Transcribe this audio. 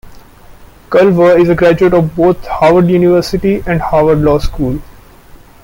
Culver is a graduate of both Harvard University and Harvard Law School.